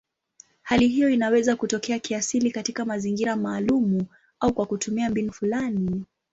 Hali hiyo inaweza kutokea kiasili katika mazingira maalumu au kwa kutumia mbinu fulani.